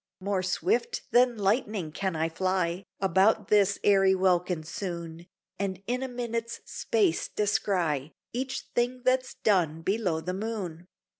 More swift than lightning can I fly About this airy welkin soon, And in a minute's space descry Each thing that's done below the moon.